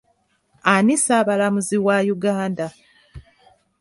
Ani ssaabalamuzi wa Uganda?